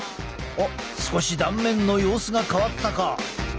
少し断面の様子が変わったか？